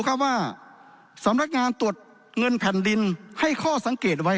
ก็ว่าสำนักงานตรวจเงินแผ่นดินให้ข้อสังเกตไว้